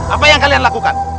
apa yang kalian lakukan